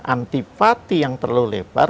antipati yang terlalu lebar